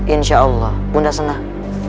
insyaallah bunda senang